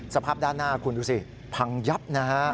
สภาพด้านหน้าคุณดูสิพังยับนะฮะ